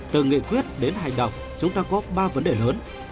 từ nghị quyết đến hành động chúng ta có ba vấn đề lớn